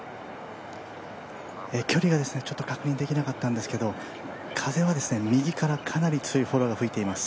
距離がちょっと確認できなかったんですけれども、風は右からかなり強いフォローが吹いています。